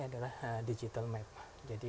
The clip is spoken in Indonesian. adalah digital map jadi